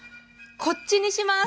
こっちにします。